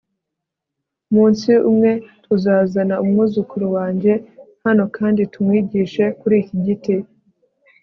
umunsi umwe tuzazana umwuzukuru wanjye hano, kandi tumwigishe muri iki giti